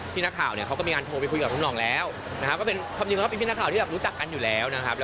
พี่น้าข่าวเนี่ยเค้าก็มีการโทรไปคุยกับทุกน้องแล้วนะครับ